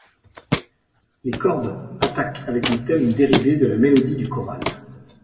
Les cordes attaquent avec un thème dérivé de la mélodie du choral.